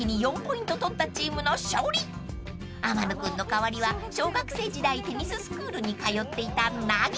［天野君の代わりは小学生時代テニススクールに通っていたナギー］